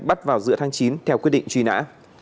bắt vào giữa tháng chín theo quyết định truy nã